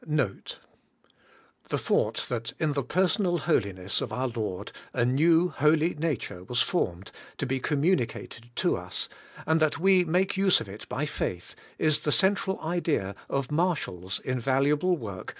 NOTE. The thought that in the personal holiness of our Lord a new holy nature was formed to be communi cated to us, and that we make use of it by faith, is the central idea of Marshall's invaluable work.